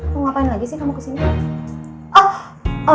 maka dia gak tega liat michelle dalam kesulitan kayak sekarang